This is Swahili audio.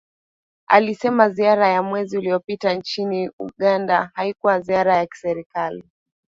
Alisema ziara ya mwezi uliopita nchini Uganda haikuwa ziara ya kiserikali